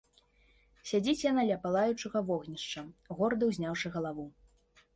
Сядзіць яна ля палаючага вогнішча, горда ўзняўшы галаву.